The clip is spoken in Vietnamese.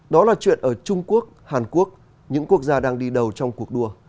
đó là chuyện ở trung quốc hàn quốc những quốc gia đang đi đầu trong cuộc đua